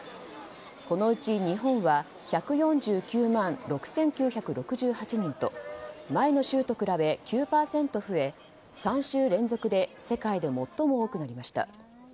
このうち、日本は１４９万６９６８人と前の週と比べ９％増え３週連続で世界で最も多くなりました。